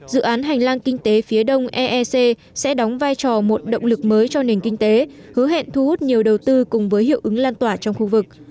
dự án hành lang kinh tế phía đông eec sẽ đóng vai trò một động lực mới cho nền kinh tế hứa hẹn thu hút nhiều đầu tư cùng với hiệu ứng lan tỏa trong khu vực